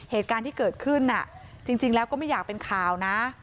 เหตุการณ์ที่เกิดขึ้นจริงแล้วก็ไม่อยากเป็นข่าวนะ